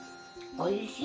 おいしい。